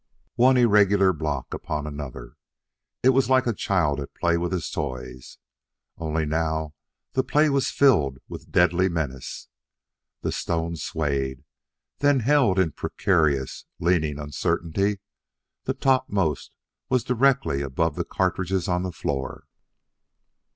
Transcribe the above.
One irregular block upon another: it was like a child at play with his toys. Only now the play was filled with deadly menace. The stones swayed, then held in precarious, leaning uncertainty; the topmost was directly above the cartridges on the floor.